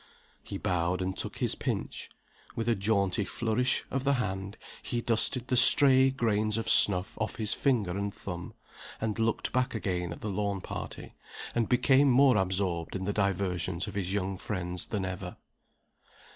He bowed, and took his pinch. With a little jaunty flourish of the hand, he dusted the stray grains of snuff off his finger and thumb, and looked back again at the lawn party, and became more absorbed in the diversions of his young friends than ever.